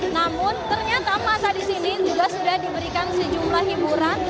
namun ternyata masa di sini juga sudah diberikan sejumlah hiburan